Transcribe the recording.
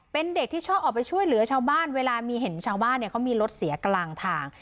เป็นเด็กที่ชอบออกไปช่วยเหลือชาวบ้านเวลามีเห็นชาวบ้านเนี่ยเขามีรถเสียกลางทาง